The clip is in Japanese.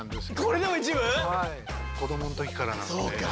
子どもの時からなので。